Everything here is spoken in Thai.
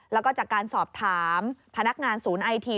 แล้วก็จากการสอบถามพนักงานศูนย์ไอที